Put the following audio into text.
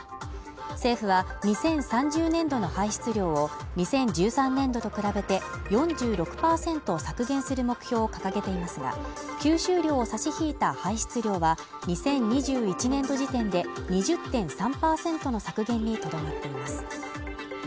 政府は２０３０年度の排出量を２０１３年度と比べて４６％削減する目標を掲げていますが、吸収量を差し引いた排出量は２０２１年度時点で２０．３％の削減にとどまっています。